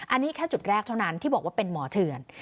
อันนี้แค่จุดแรกเท่านั้นที่บอกว่าเป็นหมอเถื่อน